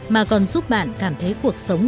mà còn giúp bạn cảm thấy cuộc sống